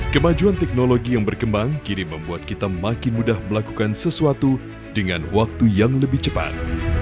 kemajuan teknologi yang berkembang kini membuat kita makin mudah melakukan sesuatu dengan waktu yang lebih cepat